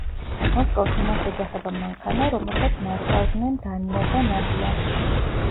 მოსკოვში მას ეჯახება მანქანა, რომელსაც მართავდნენ დანია და ნადია.